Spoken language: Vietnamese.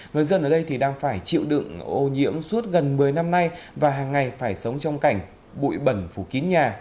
người dân ở đây thì đang phải chịu đựng ô nhiễm suốt gần một mươi năm nay và hàng ngày phải sống trong cảnh bụi bẩn phủ kín nhà